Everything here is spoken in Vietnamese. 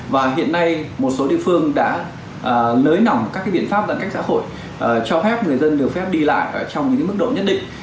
và hiện nay một số địa phương đã nới lỏng các biện pháp giãn cách xã hội cho phép người dân được phép đi lại trong những mức độ nhất định